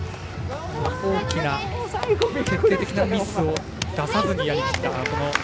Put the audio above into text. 大きな決定的なミスを出さずにやりきった。